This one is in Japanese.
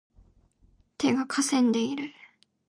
手が悴んでいる